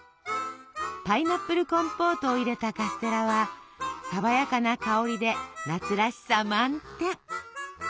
パイナップルコンポートを入れたカステラは爽やかな香りで夏らしさ満点。